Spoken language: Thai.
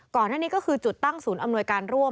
ก่อนหน้านี้ก็คือจุดตั้งศูนย์อำนวยการร่วม